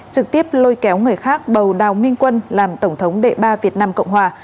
trực tiếp lôi kéo người khác bầu đào minh quân làm tổng thống đệ ba việt nam cộng hòa